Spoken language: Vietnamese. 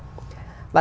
và tôi nghĩ là